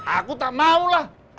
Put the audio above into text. aku tak mau lah